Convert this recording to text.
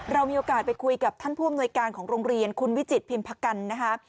เรามีโอกาสไปคุยกับท่านผู้อำนวยการของโรงเรียนคุณวิจิตพิมพกันนะคะ